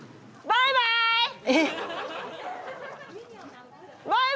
バイバーイ！